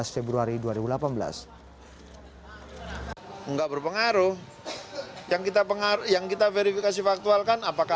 februari dua ribu delapan belas enggak berpengaruh yang kita pengaruh yang kita verifikasi faktual kan apakah